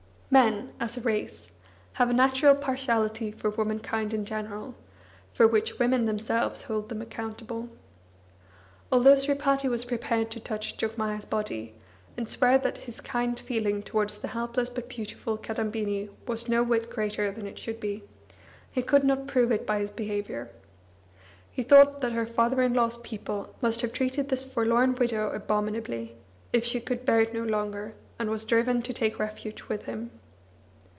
Men, as a race, have a natural partiality for womankind in general, foe which women themselves hold them accountable. Although Sripati was prepared to touch Jogmaya's body, and swear that his kind feeling towards the helpless but beautiful Kadambini was no whit greater than it should be, he could not prove it by his behaviour. He thought that her father in law's people must have treated this forlorn widow abominably, if she could bear it no longer, and was driven to take refuge with him.